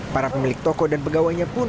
para pemilik toko dan pegawainya pun